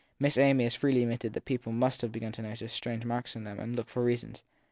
Miss Amy as freely admitted that people must have begun to notice strange marks in them and to look for reasons.